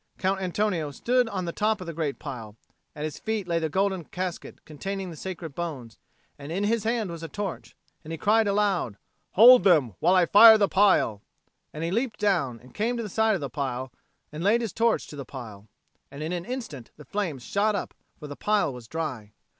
Count Antonio stood on the top of the great pile; at his feet lay the golden casket containing the sacred bones, and in his hand was a torch. And he cried aloud, "Hold them, while I fire the pile!" and he leapt down and came to the side of the pile and laid his torch to the pile. And in an instant the flames shot up, for the pile was dry.